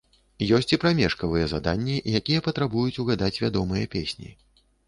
Ёсць і прамежкавыя заданні, якія патрабуюць угадаць вядомыя песні.